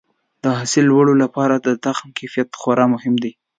د حاصل لوړولو لپاره د تخم کیفیت خورا مهم دی.